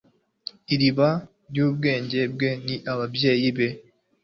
Iriba ryubwenge bwe ni ababyeyi be